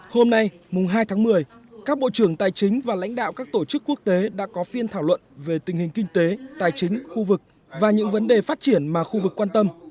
hôm nay mùng hai tháng một mươi các bộ trưởng tài chính và lãnh đạo các tổ chức quốc tế đã có phiên thảo luận về tình hình kinh tế tài chính khu vực và những vấn đề phát triển mà khu vực quan tâm